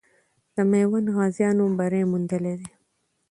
د میوند غازیانو بری موندلی دی.